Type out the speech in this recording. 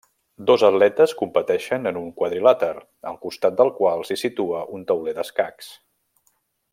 Dos atletes competeixen en un quadrilàter, al costat del qual s'hi situa un tauler d'escacs.